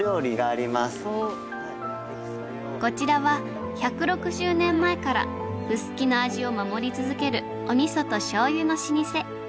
こちらは１６０年前から臼杵の味を守り続けるお味噌と醤油の老舗。